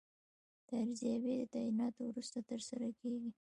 دا ارزیابي د تعیناتو وروسته ترسره کیږي.